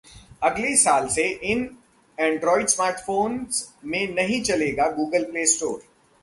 अगले साल से इन एंड्रॉयड स्मार्टफोन्स में नहीं चलेगा गूगल प्ले स्टोर